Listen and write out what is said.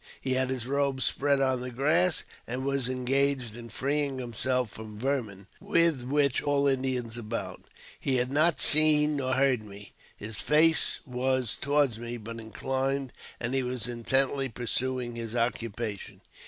He had his robe spread on the grass, and was engaged in freeing himself from vermin, with which all Indians abound. He had not seen nor heard me ; his face was towards me, but inclined, and he was intently pursuing his occupation.